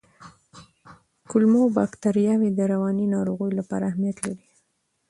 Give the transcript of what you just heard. کولمو بکتریاوې د رواني ناروغیو لپاره اهمیت لري.